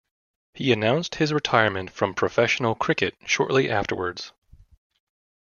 He announced his retirement from professional cricket shortly afterwards.